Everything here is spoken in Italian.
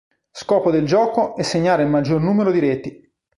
Scopo del gioco è segnare il maggior numero di reti.